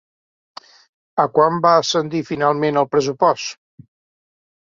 A quant va ascendir finalment el pressupost?